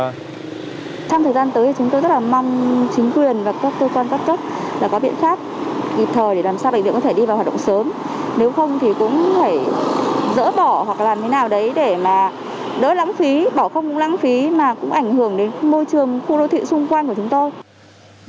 trong thời gian tới thì chúng tôi rất là mong chính quyền và các cơ quan các cấp có biện pháp kịp thời để làm sao bệnh viện có thể đi vào hoạt động sớm nếu không thì cũng phải dỡ bỏ hoặc làm thế nào đấy để mà đỡ lãng phí bỏ không lãng phí mà cũng ảnh hưởng đến môi trường khu đô thị xung quanh của chúng tôi